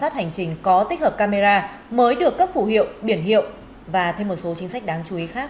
hành trình có tích hợp camera mới được cấp phủ hiệu biển hiệu và thêm một số chính sách đáng chú ý khác